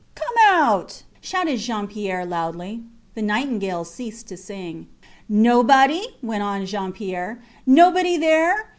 Come out! shouted Jean Pierre, loudly. The nightingales ceased to sing. Nobody? went on Jean Pierre. Nobody there.